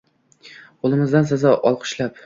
Qoʼlimizdan sizni olqishlab